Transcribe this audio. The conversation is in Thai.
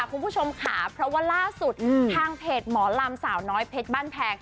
คุณผู้ชมค่ะเพราะว่าล่าสุดทางเพจหมอลำสาวน้อยเพชรบ้านแพง